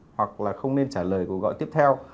hoặc là không nên trả lời cuộc gọi tiếp theo